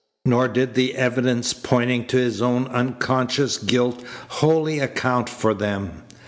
Nor did the evidence pointing to his own unconscious guilt wholly account for them.